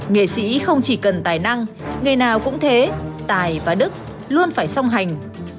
nghệ sĩ không chỉ cần tài năng ngày nào cũng thế tài và đức luôn phải song hành